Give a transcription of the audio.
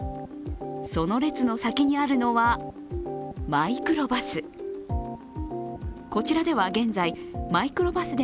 その列の先にあるのはマイクロバス。